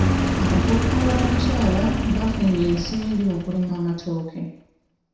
Abavubuka b'abakyala bafunye ensimbi mu kulima amatooke.